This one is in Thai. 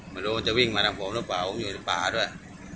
ไม่รู้ว่าจะวิ่งมาทางผมหรือเปล่าผมอยู่ในป่าด้วย